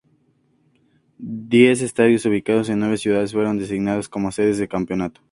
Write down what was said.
Diez estadios ubicados en nueve ciudades fueron designados como sedes del campeonato.